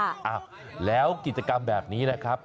อ้าวแล้วกิจกรรมแบบนี้นะครับ